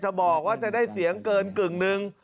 บอกว่าจะได้เสียงเกินกึ่งหนึ่ง